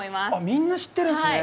みんな知ってるんですね。